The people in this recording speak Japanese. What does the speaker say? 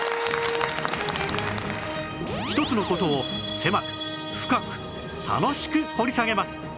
１つの事を狭く深く楽しく掘り下げます